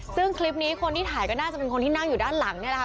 ซึ่งคลิปนี้คนที่ถ่ายก็น่าจะเป็นคนที่นั่งอยู่ด้านหลังนี่แหละค่ะ